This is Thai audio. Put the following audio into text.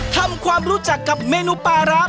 ทำความรู้จักกับเมนูปลาร้า